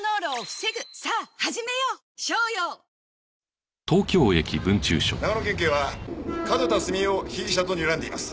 ニトリ長野県警は角田澄江を被疑者とにらんでいます。